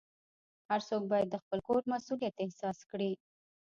هر څوک باید د خپل کور مسؤلیت احساس کړي.